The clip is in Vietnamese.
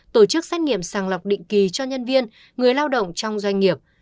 tổ chức xét nghiệm sàng lọc định kỳ cho nhân viên người lao động trong doanh nghiệp